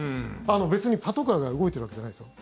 別にパトカーが動いているわけじゃないですよ。